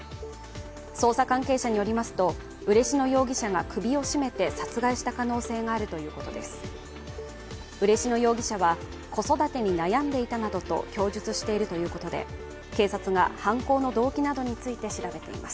捜査関係者によりますと、嬉野容疑者が首を絞めて殺害した可能性があるということです。